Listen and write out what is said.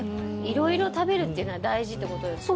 色々食べるっていうのは大事ってことですよね。